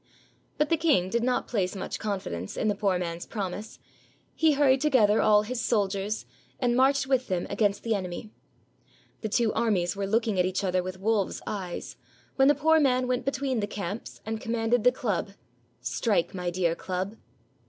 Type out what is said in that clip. But the king did not place much confidence in the poor man's promise; he hurried together all his soldiers, 396 THE KING OF THE CROWS and marched with them against the enemy. The two armies were looking at each other with wolves' eyes, when the poor man went between the camps and com manded the club! "Strike, my dear club."